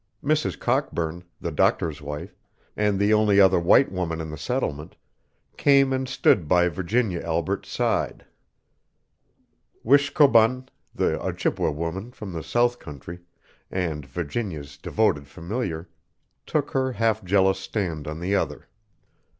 Mrs. Cockburn, the doctor's wife, and the only other white woman in the settlement, came and stood by Virginia Albret's side. Wishkobun, the Ojibway woman from the south country, and Virginia's devoted familiar, took her half jealous stand on the other.